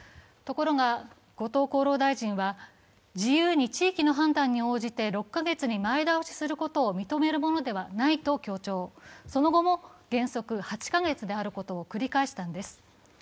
ところが、後藤厚労大臣は自由に地域の判断に応じて６カ月に前倒しすることを認めるものではないと強調、その後も原則８カ月であることを繰り返したんです。